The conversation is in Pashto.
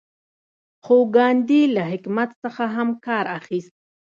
خو ګاندي له حکمت څخه هم کار اخیست.